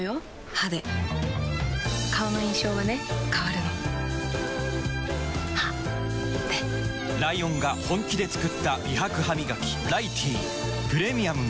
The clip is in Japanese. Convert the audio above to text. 歯で顔の印象はね変わるの歯でライオンが本気で作った美白ハミガキ「ライティー」プレミアムも